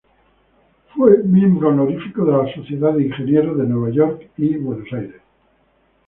Fue miembro honorífico de la Sociedad de Ingenieros de Nueva York y Buenos Aires.